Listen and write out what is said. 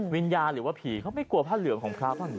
วิญญาณหรือว่าผีเขาไม่กลัวผ้าเหลืองของพระบ้างเหรอ